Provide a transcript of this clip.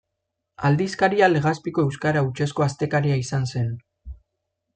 Aldizkaria Legazpiko euskara hutsezko astekaria izan zen.